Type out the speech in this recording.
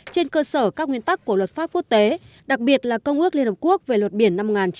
trên cơ sở các nguyên tắc của luật pháp quốc tế đặc biệt là công ước liên hợp quốc về luật biển năm một nghìn chín trăm tám mươi hai